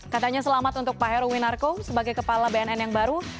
katanya selamat untuk pak heruwinarko sebagai kepala bnn yang baru